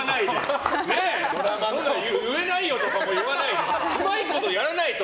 言えないよ！とかも言わないでうまいことやらないと！